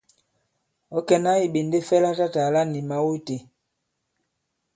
Ɔ̌ kɛ̀na iɓènde fɛ latatàla ni mào itē?